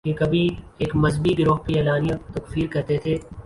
یہ کبھی ایک مذہبی گروہ کی اعلانیہ تکفیر کرتے تھے۔